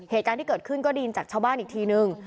เหตุการณ์ที่เกิดขึ้นก็ได้ยินจากชาวบ้านอีกทีนึง